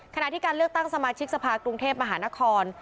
ขณะที่การเลือกตั้งสมาชิกสภากรุงเทพมหานคร